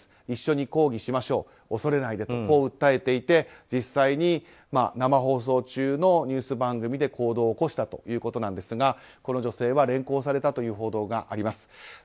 一緒に抗議しましょう恐れないでと訴えていて実際に生放送中のニュース番組で行動を起こしたということですがこの女性は連行されたという報道があります。